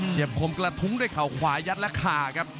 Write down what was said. คมกระทุ้งด้วยเข่าขวายัดและขาครับ